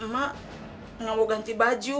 ma enggak mau ganti baju